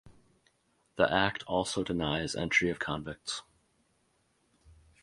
The act also denies entry of convicts.